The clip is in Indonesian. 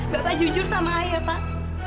bapak jujur sama ayah pak